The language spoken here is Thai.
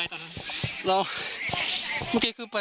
เพื่อนบ้านเจ้าหน้าที่อำรวจกู้ภัย